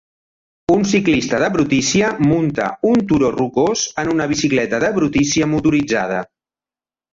Un ciclista de brutícia munta un turó rocós en una bicicleta de brutícia motoritzada